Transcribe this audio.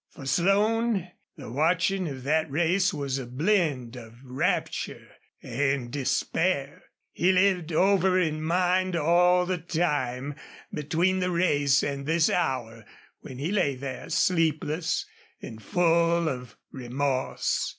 For Slone, the watching of that race was a blend of rapture and despair. He lived over in mind all the time between the race and this hour when he lay there sleepless and full of remorse.